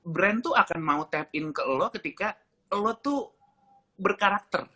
brand tuh akan mau tap in ke lo ketika lo tuh berkarakter